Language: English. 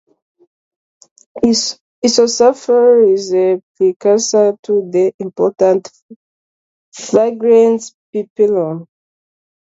Isosafrole is a precursor to the important fragrance piperonal.